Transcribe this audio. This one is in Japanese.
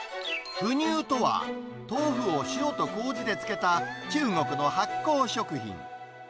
腐乳とは、豆腐を塩とこうじで漬けた中国の発酵食品。